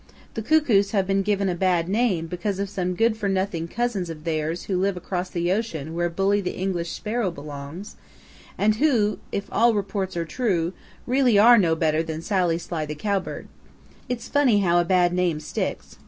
The Cuckoos have been given a bad name because of some good for nothing cousins of theirs who live across the ocean where Bully the English Sparrow belongs, and who, if all reports are true, really are no better than Sally Sly the Cowbird. It's funny how a bad name sticks.